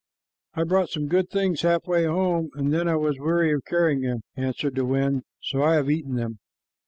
"I brought some good things halfway home, and then I was weary of carrying them," answered the wind, "so I have eaten them."